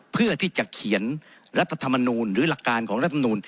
เพื่อที่จะเขียนรัฐธรรมนูลหรือหลักการของรัฐมนูล